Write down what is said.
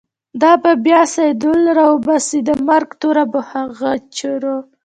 دابه بیا “سیدال” راباسی، دمرګ توره په غجرو